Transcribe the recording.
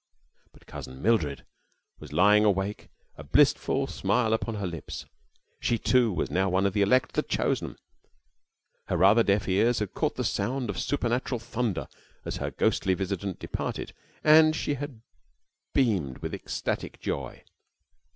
But Cousin Mildred was lying awake, a blissful smile upon her lips. She, too, was now one of the elect, the chosen. Her rather deaf ears had caught the sound of supernatural thunder as her ghostly visitant departed, and she had beamed with ecstatic joy.